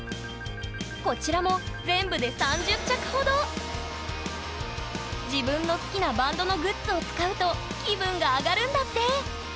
こちらも全部で自分の好きなバンドのグッズを使うと気分が上がるんだって！